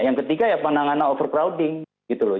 yang ketiga ya penanganan overcrowding gitu loh